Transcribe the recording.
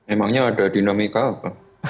emangnya ada dinamika apa